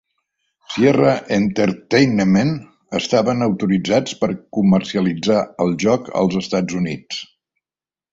Sierra Entertainment estaven autoritzats per comercialitzar el joc als Estats Units.